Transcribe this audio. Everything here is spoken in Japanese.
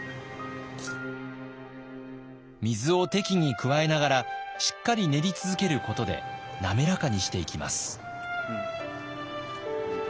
水を適宜加えながらしっかり練り続けることで滑らかにしていきます。